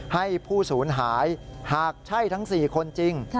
ให้ผู้ศูนย์หายหากใช่ทั้ง๔คนจริง